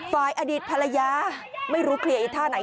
อดีตภรรยาไม่รู้เคลียร์อีกท่าไหน